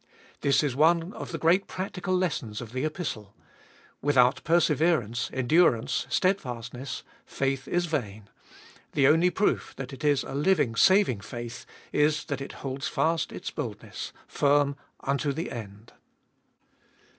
This is one of the great practical lessons of the Epistle. Without perse verance, endurance, steadfastness, faith is vain ; the only proof that it is a living, saving faith, is that it holds fast its boldness firm unto the end.